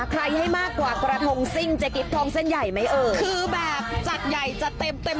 ให้มากกว่ากระทงซิ่งเจ๊กิ๊บทองเส้นใหญ่ไหมเออคือแบบจัดใหญ่จัดเต็มเต็ม